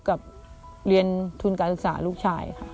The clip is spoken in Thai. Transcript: กับเรียนทุนการศึกษาลูกชายค่ะ